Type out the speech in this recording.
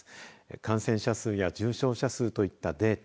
感染者数や重症者数といったデータ